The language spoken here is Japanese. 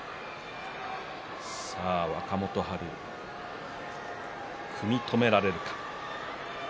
若元春、組み止められるか。